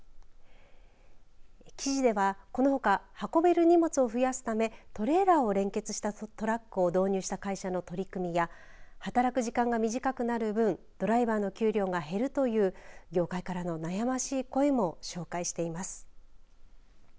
記事ではこのほか運べる荷物を増やすためトレーラーを連結したトラックを導入した会社の取り組みや働く時間が短くなる分ドライバーの給料が減るという業界からの悩ましい声も紹介しています。